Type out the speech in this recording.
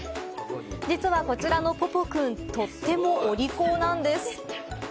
実は、こちらのぽぽくん、とってもお利口なんです。